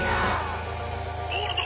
「ゴールド！